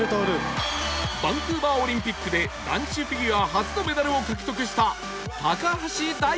バンクーバーオリンピックで男子フィギュア初のメダルを獲得した橋大輔